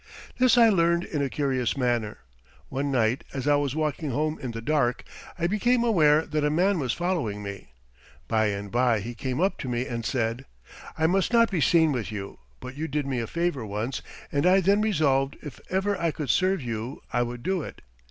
This I learned in a curious manner. One night, as I was walking home in the dark, I became aware that a man was following me. By and by he came up to me and said: "I must not be seen with you, but you did me a favor once and I then resolved if ever I could serve you I would do it.